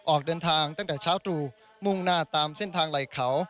ออกเดินทางตั้งแต่เช้าตรู่มุ่งหน้าตามเส้นทางไหล่เขา